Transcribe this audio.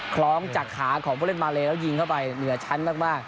คล้องจากขาของผู้เล่นมาเลแล้วยิงเข้าไปเหนือชั้นมาก